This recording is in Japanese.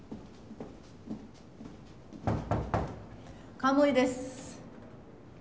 鴨井です。